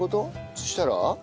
そしたら。